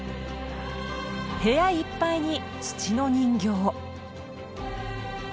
部屋いっぱいに土の人形。